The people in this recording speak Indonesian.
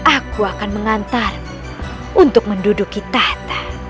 aku akan mengantar untuk menduduki tahta